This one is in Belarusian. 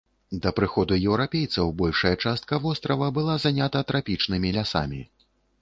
Да прыходу еўрапейцаў большая частка вострава была занята трапічнымі лясамі.